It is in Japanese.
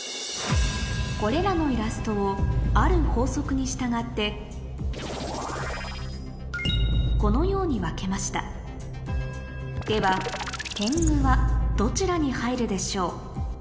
これらのイラストをある法則に従ってこのように分けましたではてんぐはどちらに入るでしょう？